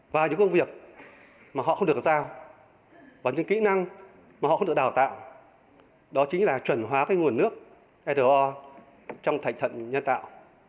và những công việc mà họ không được giao và những kỹ năng mà họ không được đào tạo đó chính là chuẩn hóa cái nguồn nước ro trong thành thận nhân tạo